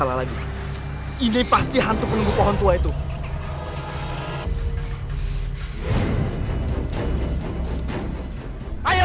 untuk temclinnya kamu tak tega sama qualifying dan respon seiteee